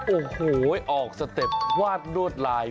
โอ้โหออกสเต็ปวาดลวดลาย